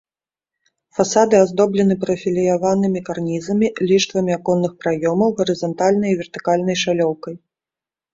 Фасады аздоблены прафіляванымі карнізамі, ліштвамі аконных праёмаў, гарызантальнай і вертыкальнай шалёўкай.